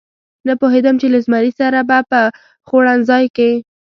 نه پوهېدم چې له زمري سره به په خوړنځای کې.